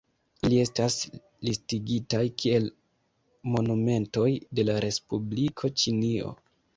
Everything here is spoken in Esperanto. Ili estas listigitaj kiel monumentoj de la respubliko Ĉinio.